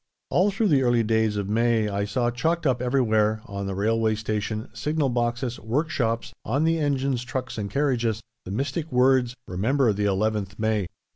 All through the early days of May I saw chalked up everywhere on the Railway Station, signal boxes, workshops, on the engines, trucks, and carriages the mystic words, "Remember the 11th May."